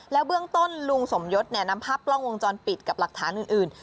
แล้วเบื้องต้นลุงสมยศเนี่ยนำภาพกล้องวงจรปิดกับหลักฐานอื่นอื่น